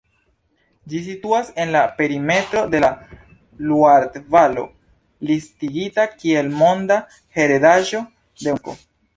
Ĝi situas en la perimetro de la Luar-valo, listigita kiel Monda heredaĵo de Unesko.